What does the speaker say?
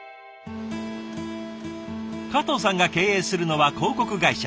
加藤さんが経営するのは広告会社。